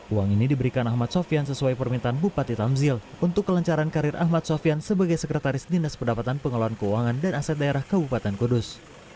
uang ini diberikan ahmad sofian sesuai permintaan bupati tamzil untuk kelencaran karir ahmad sofian sebagai sekretaris dinas pendapatan pengelolaan keuangan dan aset daerah kabupaten kudus